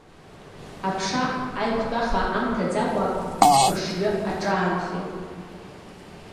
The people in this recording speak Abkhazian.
Аԥша аиқәтәаха амҭаӡакәа, ақәыршаҩы аҿаанахеит.